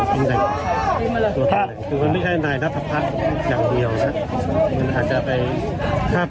จริงจังคือมันไม่แค่นายนัฐพักษณ์อย่างเดียวนะฮะมันอาจจะไปทาบ